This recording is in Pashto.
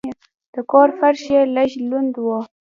د کور فرش یې لږ لند و.